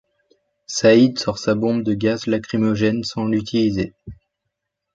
Saïd sort sa bombe de gaz lacrymogène sans l’utiliser.